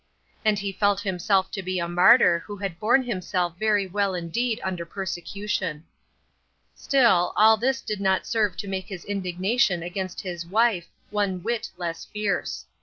And he felt himself to be a martyr who had borne himself very well indeed under persecution. SLIPPERY GROUND. gi Still, all this did not serve to make his indigna tion against his wife one whit less fierce.